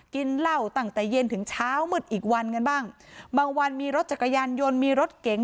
กินเหล้าตั้งแต่เย็นถึงเช้ามืดอีกวันกันบ้างบางวันมีรถจักรยานยนต์มีรถเก๋ง